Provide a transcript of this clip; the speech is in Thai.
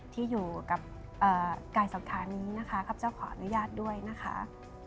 ที่อยู่กับกายศรัทธานี้นะคะข้าพเจ้าขออนุญาตด้วยนะคะ